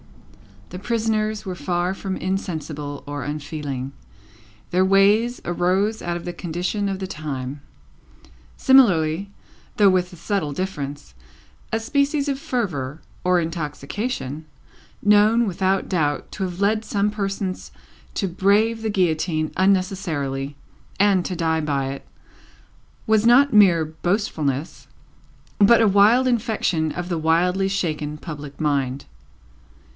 The prisoners were far from insensible or unfeeling; their ways arose out of the condition of the time. Similarly, though with a subtle difference, a species of fervour or intoxication, known, without doubt, to have led some persons to brave the guillotine unnecessarily, and to die by it, was not mere boastfulness, but a wild infection of the wildly shaken public mind.